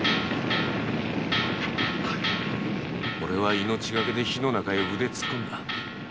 オレは命がけで火の中に腕を突っ込んだ。